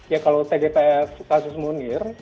ya kalau tgpf kasus munir